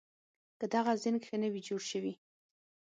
که دغه زېنک ښه نه وي جوړ شوي